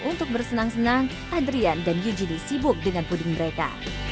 untuk bersenang senang adrian dan eugenie sibuk dengan puding mereka